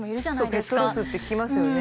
ペットロスって聞きますよね。